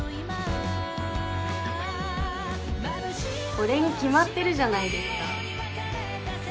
これに決まってるじゃないですか。